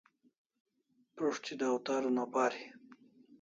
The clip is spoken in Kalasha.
Prus't thi dawtar una pari